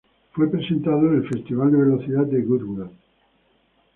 Fue presentado en el festival de velocidad de goodwood.